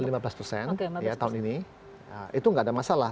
jadi kalau di tahun ini itu tidak ada masalah